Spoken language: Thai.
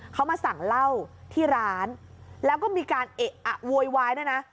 เขามาสั่งเหล้าที่ร้านแล้วก็มีการเอะอะโวยวายด้วยนะ